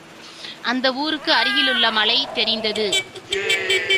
அந்த ஊருக்கு அருகிலுள்ள மலை தெரிந்தது.